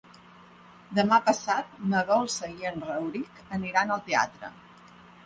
Demà passat na Dolça i en Rauric aniran al teatre.